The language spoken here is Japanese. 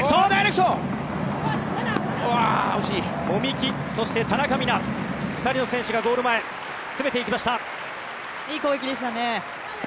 籾木、そして田中美南２人の選手がゴール前詰めていきました。